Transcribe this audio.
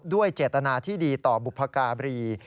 ด้วยเจตนาที่ดีต่อบุพการี